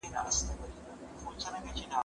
زه کولای سم مطالعه وکړم؟!